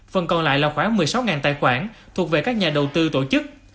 phần còn lại là khoảng một mươi sáu tài khoản thuộc về các nhà đầu tư tổ chức